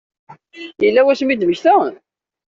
Yella wasmi i d-temmekta?